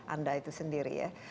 anda itu sendiri ya